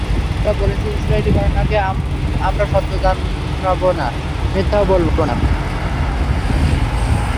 আমরা বলেছি যে, ইসরাঈলী বর্ণনাকে আমরা সত্যও জানবো না, মিথ্যাও বলবো না।